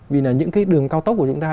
vì là những cái đường cao tốc của chúng ta